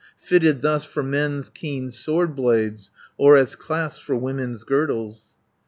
150 Fitted thus for men's keen sword blades Or as clasps for women's girdles.'